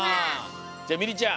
じゃミリちゃん